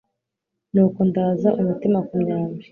Ni uko ndaza umutima ku myambi